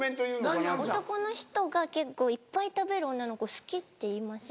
男の人が結構いっぱい食べる女の子好きって言いません？